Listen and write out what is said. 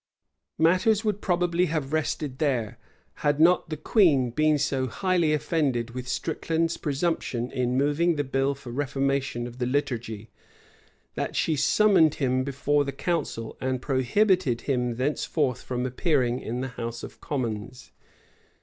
Matters would probably have rested here, had not the queen been so highly offended with Stricland's presumption in moving the bill for reformation of the liturgy, that she summoned him before the council, and prohibited him thenceforth from appearing in the house of commons.